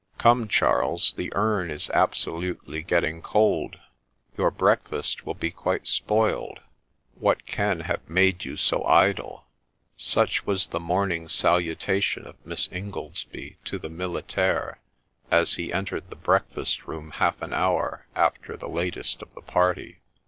' Come, Charles, the urn is absolutely getting cold ; your breakfast will be quite spoiled : what can have made you so idle ?' Such was the morning salutation of Miss Ingoldsby to the miliiaire as he entered the breakfast room half an hour after the latest of the party.